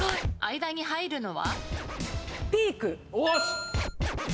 間に入るのは？